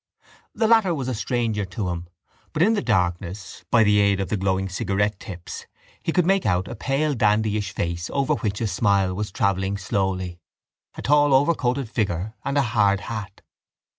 The latter was a stranger to him but in the darkness, by the aid of the glowing cigarette tips, he could make out a pale dandyish face over which a smile was travelling slowly, a tall overcoated figure and a hard hat.